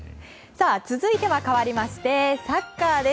続いてはかわりましてサッカーです。